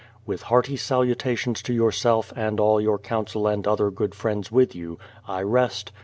With hearty salutations to yourself and all your council and our other good friends with you I rest.